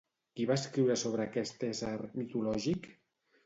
Qui va escriure sobre aquest ésser mitològic?